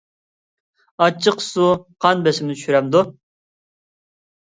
ئاچچىق سۇ قان بېسىمنى چۈشۈرەمدۇ؟